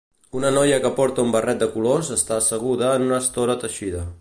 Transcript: Una noia que porta un barret de colors està asseguda en una estora teixida.